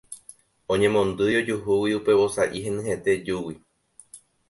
Oñemondýi ojuhúgui upe vosa'i henyhẽte júgui.